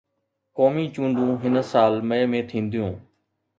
قومي چونڊون هن سال مئي ۾ ٿينديون